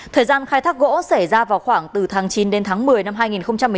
thời gian khai thác gỗ xảy ra vào khoảng từ tháng chín đến tháng một mươi năm hai nghìn một mươi chín